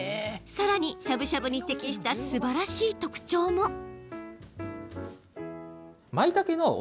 更にしゃぶしゃぶに適したすばらしい特徴も。